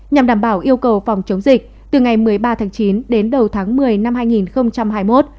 nhằm đảm bảo yêu cầu phòng chống dịch từ ngày một mươi ba tháng chín đến đầu tháng một mươi năm hai nghìn hai mươi một